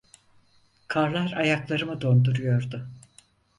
Karlar ayaklarımı donduruyordu.